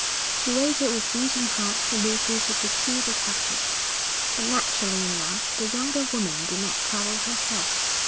She waited with beating heart for Lucy to pursue the subject, but naturally enough the younger woman did not trouble herself.